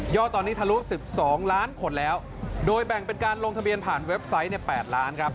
ตอนนี้ทะลุ๑๒ล้านคนแล้วโดยแบ่งเป็นการลงทะเบียนผ่านเว็บไซต์๘ล้านครับ